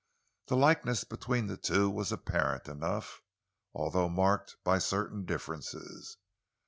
The likeness between the two was apparent enough, although marked by certain differences.